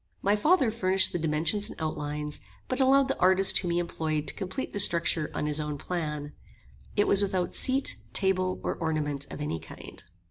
My father furnished the dimensions and outlines, but allowed the artist whom he employed to complete the structure on his own plan. It was without seat, table, or ornament of any kind.